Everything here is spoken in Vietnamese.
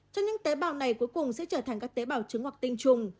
cho những tế bào này cuối cùng sẽ trở thành các tế bào trứng hoặc tinh trùng